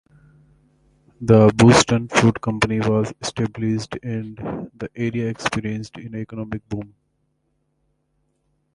The Boston Fruit Company was established and the area experienced an economic boom.